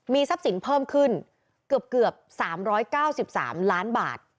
ทรัพย์สินเพิ่มขึ้นเกือบ๓๙๓ล้านบาท